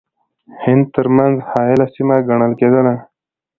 هند ترمنځ حایله سیمه ګڼله کېدله.